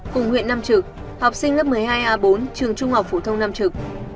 cùng huyện nam trực học sinh lớp một mươi hai a bốn trường trung học phổ thông nam trực